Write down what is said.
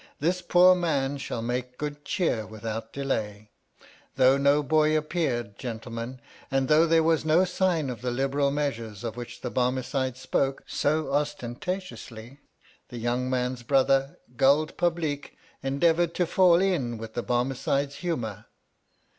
This poor man shall make good cheer without delay. Though no boy appeared, gentlemen, and though there was no sign of the liberal mea sures of which the Barmecide spoke so osten tatiously, the young man's brother, Guld Publeek, endeavoured to fall in with the Bar mecide's humour.